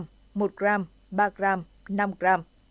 đối với loại một gram một gram ba gram năm gram